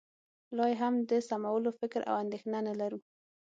لا یې هم د سمولو فکر او اندېښنه نه لرو